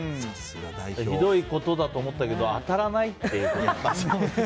ひどいことだと思ったけど当たらないと。